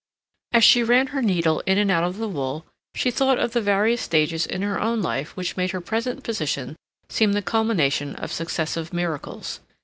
As she ran her needle in and out of the wool, she thought of the various stages in her own life which made her present position seem the culmination of successive miracles.